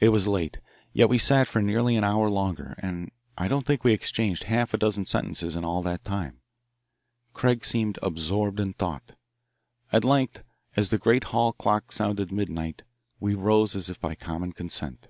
It was late, yet we sat for nearly an hour longer, and I don't think we exchanged a half dozen sentences in all that time. Craig seemed absorbed in thought. At length, as the great hall clock sounded midnight, we rose as if by common consent.